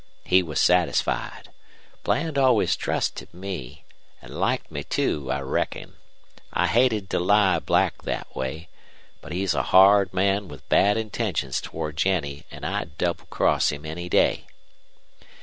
He was satisfied. Bland always trusted me, an' liked me, too, I reckon. I hated to lie black thet way. But he's a hard man with bad intentions toward Jennie, an' I'd double cross him any day.